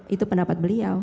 itu pendapat beliau